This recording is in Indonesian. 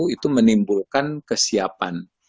itu menimbulkan kesiapan